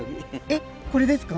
えっこれですか？